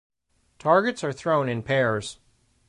Targets are thrown in pairs.